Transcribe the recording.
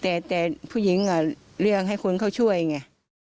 แต่แต่ผู้หญิงอ่ะเลือกให้คนเขาช่วยไง